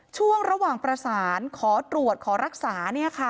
ช่วงระหว่างประสานขอตรวจขอรักษา